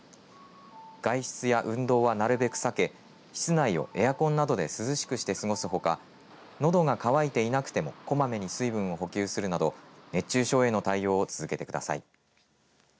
外出や運動はなるべく避け室内をエアコンなどで涼しくして過ごすほかのどが乾いていなくてもこまめに水分を補給するなど熱中症への対応を続けてください。